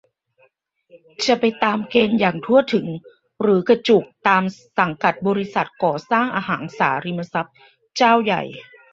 จะไปตามเกณฑ์อย่างทั่วถึง หรือกระจุกตามสังกัดบริษัทก่อสร้าง-อสังหาริมทรัพย์เจ้าใหญ่